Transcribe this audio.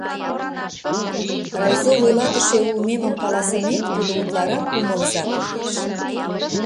Райзо вуйлатыше улмемым каласымек, тудо утларак кумылзак лиеш.